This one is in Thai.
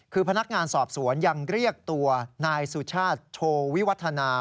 คือพนักงานสอบสวนยังเรียกตัวนายสุชาติโชวิวัฒนา